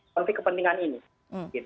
konsep kepentingan ini